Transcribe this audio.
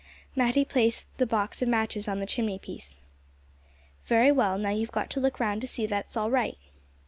Matty placed the box of matches on the chimney piece. "Very well; now you've got to look round to see that all's right."